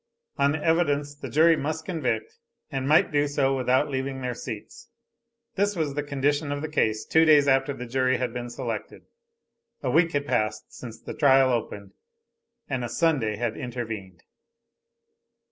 On the evidence the jury must convict, and might do so without leaving their seats. This was the condition of the case two days after the jury had been selected. A week had passed since the trial opened; and a Sunday had intervened.